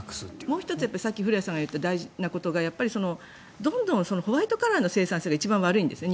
もう１つ古屋さんが言った大事なことが、どんどんホワイトカラーの生産性が日本は一番悪いんですね。